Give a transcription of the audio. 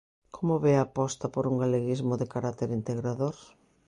Como ve a aposta por un galeguismo de carácter integrador?